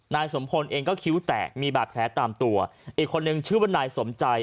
นายสมพลเองก็คิ้วแตกมีบาดแผลตามตัวอีกคนนึงชื่อว่านายสมใจ